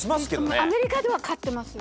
アメリカでは飼ってます。